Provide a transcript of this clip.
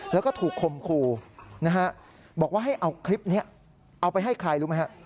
แล้วก็ถูกคมครูนะฮะบอกว่าให้เอาคลิปนี้เอาไปให้ใครรู้ไหมฮะ